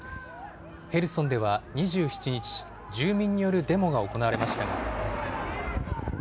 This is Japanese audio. ヘルソンでは２７日、住民によるデモが行われましたが。